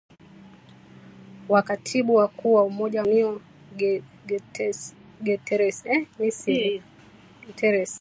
wa katibu mkuu wa Umoja wa Mataifa Antonio Guterres